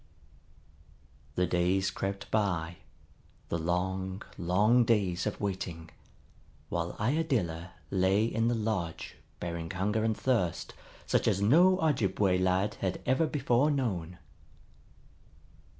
The days crept by, the long, long days of waiting, while Iadilla lay in the lodge bearing hunger and thirst such as no Ojibway lad had ever before known.